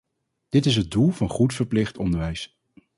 Dit is het doel van goed verplicht onderwijs.